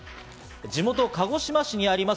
地元、鹿児島市にあります